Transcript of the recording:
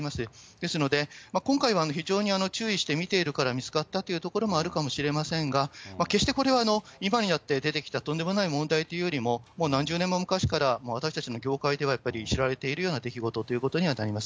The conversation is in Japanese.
ですので、今回は、非常に注意して見ているから見つかったというところもあるかもしれませんが、決してこれは、今になって出てきたとんでもない問題というよりは、もう何十年も昔から、私たちの業界ではやっぱり知られているような出来事ということにはなります。